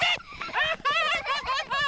アハハハハ！